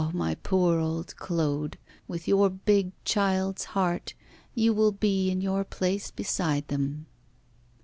my poor old Claude, with your big child's heart, you will be in your place beside them.